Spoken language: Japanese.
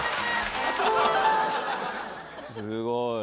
すごい。